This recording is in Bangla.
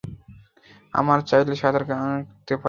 আমরা চাইলে সাঁতার কাটতে যেতে পারি।